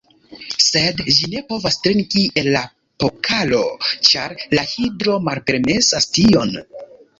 Sed ĝi ne povas trinki el la Pokalo, ĉar la Hidro malpermesas tion.